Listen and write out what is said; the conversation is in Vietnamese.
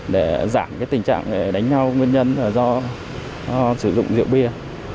để giảm tình trạng đánh nhau nguyên nhân do sử dụng rượu bia